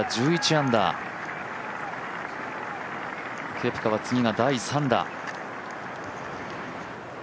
ケプカは次が第３打。